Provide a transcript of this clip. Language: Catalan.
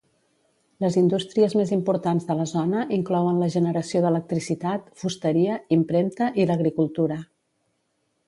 Les indústries més importants de la zona inclouen la generació d'electricitat, fusteria, impremta, i l'agricultura.